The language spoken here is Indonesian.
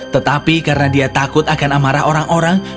tetapi karena dia takutnya dia menerima panggilan dari pangeran